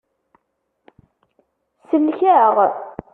Sellek-aɣ.